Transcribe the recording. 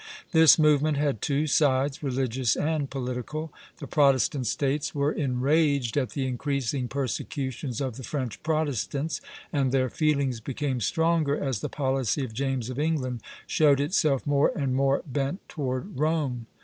This movement had two sides, religious and political. The Protestant States were enraged at the increasing persecutions of the French Protestants, and their feelings became stronger as the policy of James of England showed itself more and more bent toward Rome.